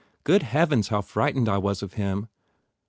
Good heavens how frightened I was of him